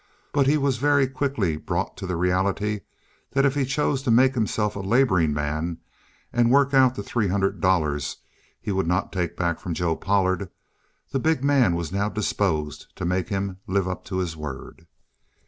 But he was very quickly brought to the reality that if he chose to make himself a laboring man and work out the three hundred dollars he would not take back from Joe Pollard, the big man was now disposed to make him live up to his word.